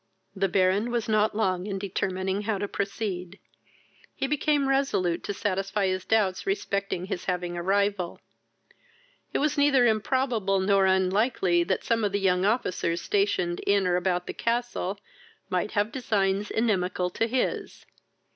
The Baron was not long in determining how to proceed. He became resolute to satisfy his doubts respecting his having a rival. It was neither improbable, nor unlikely, that some of the young officers, stationed in or about the castle, might have designs inimical to his.